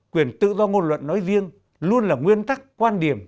quyền tự do ngôn luận nói riêng luôn là nguyên tắc quan điểm